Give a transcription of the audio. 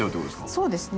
そうですね。